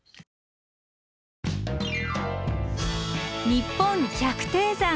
「にっぽん百低山」。